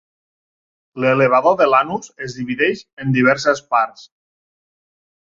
L'elevador de l'anus es divideix en diverses parts.